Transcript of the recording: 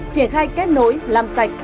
triển khai kết nối làm sạch